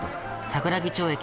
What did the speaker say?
桜木町駅！